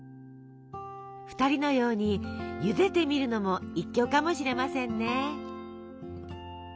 ２人のようにゆでてみるのも一興かもしれませんね。